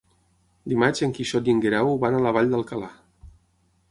Dimarts en Quixot i en Guerau van a la Vall d'Alcalà.